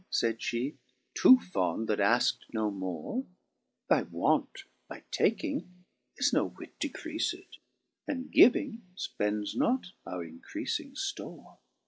(fayd flie) « too fond, that afkt no more ; Thy want by taking is no whit decreafed. And giving fpends not our increafing ftorc.